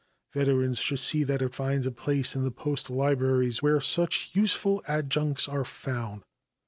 Veterans should see that it finds a place in the post libraries, where such useful adjuncts are found.